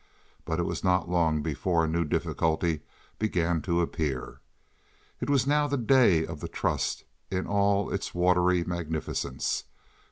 But it was not long before a new difficulty began to appear. It was now the day of the trust in all its watery magnificence.